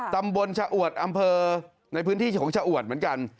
ตำบลชะอวดอำเภอในพื้นที่ของชะอวดเหมือนกัน